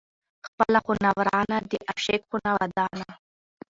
ـ خپله خونه ورانه، د عاشق خونه ودانه.